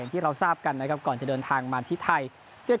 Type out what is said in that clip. อย่างที่เราทราบกันก่อนจะเดินทางมาที่ไทย